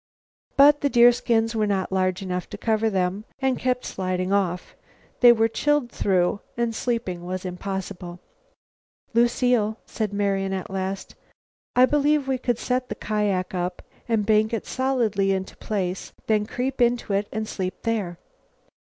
But the deerskins were not large enough to cover them, and kept sliding off. They were chilled through and sleep was impossible. "Lucile," said Marian at last, "I believe we could set the kiak up and bank it solidly into place, then creep into it and sleep there."